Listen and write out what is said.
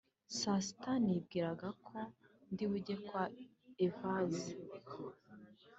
saa sita nibwiraga ko ndi bujye kwa Evase